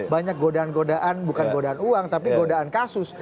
banyak godaan godaan bukan godaan uang tapi godaan kasus